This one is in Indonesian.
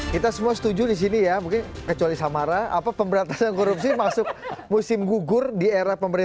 kami akan segera kembali